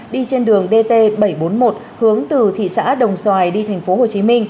đi trên đường dt bảy trăm bốn mươi một hướng từ thị xã đồng xoài đi tp hcm